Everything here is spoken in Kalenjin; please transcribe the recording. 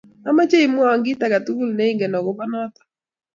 Amache imwawo kit age tugul neingen akopo noto